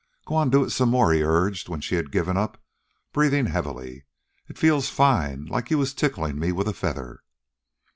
"Go on, do it some more," he urged, when she had given up, breathing heavily. "It feels fine, like you was ticklin' me with a feather."